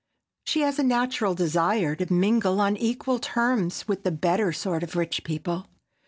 She has a natural desire to mingle on equal terms with the better sort of rich people.